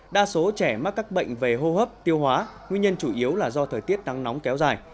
đa số trẻ mắc các bệnh về hô hấp tiêu hóa nguyên nhân chủ yếu là do thời tiết nắng nóng kéo dài